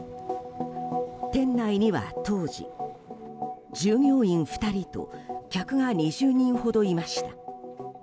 店内には当時、従業員２人と客が２０人ほどいました。